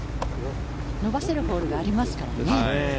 伸ばせるホールがありますからね。